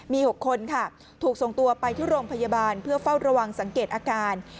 มี๖คนค่ะถูกส่งตัวไปที่โรงพยาบาลเพื่อเฝ้าระวังสังเกตอาการ